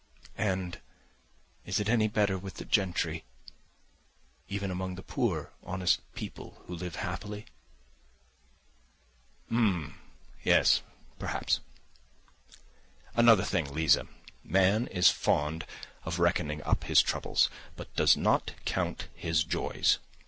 "And is it any better with the gentry? Even among the poor, honest people who live happily?" "H'm ... yes. Perhaps. Another thing, Liza, man is fond of reckoning up his troubles, but does not count his joys.